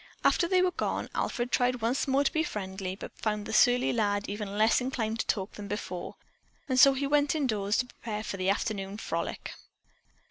After they were gone, Alfred tried once more to be friendly, but found the surly lad even less inclined to talk than before, and so he went indoors to prepare for the afternoon frolic.